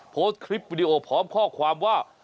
โพสต์คลิปวิดีโอพร้อมข้อความว่า